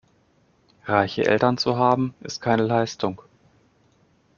Reiche Eltern zu haben, ist keine Leistung.